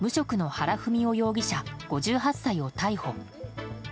原文雄容疑者５８歳を逮捕。